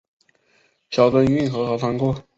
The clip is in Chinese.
小樽运河和仓库